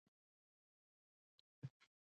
په همدې سره د بوټانو ارزښت له بیې کمېږي